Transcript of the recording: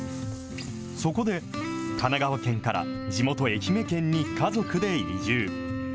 そこで、神奈川県から地元、愛媛県に家族で移住。